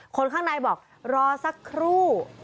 คนข้างในบอกรอสักครู่